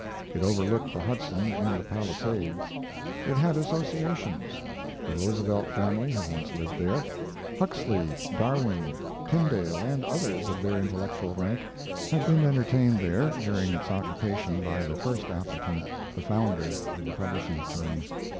It overlooked the Hudson and the Palisades. It had associations: the Roosevelt family had once lived there, Huxley, Darwin, Tyndall, and others of their intellectual rank had been entertained there during its occupation by the first Appleton, the founder of the publishing firm.